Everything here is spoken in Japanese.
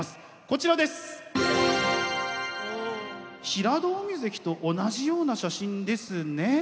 平戸海関と同じような写真ですね。